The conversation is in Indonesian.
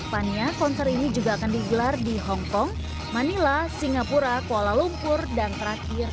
kedepannya konser ini juga akan digelar di hongkong manila singapura kuala lumpur dan terakhir